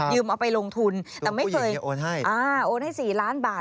เอาไปลงทุนแต่ไม่เคยโอนให้๔ล้านบาท